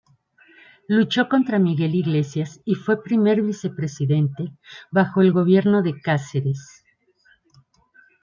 Luchó contra Miguel Iglesias y fue primer vicepresidente bajo el primer gobierno de Cáceres.